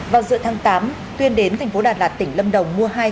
vào giữa tháng tám tuyên đến thành phố đà lạt tỉnh lâm đồng mua hai